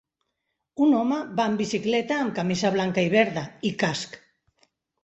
Un home va amb bicicleta amb camisa blanca i verda i casc.